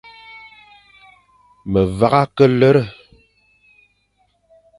Me vagha ke lere.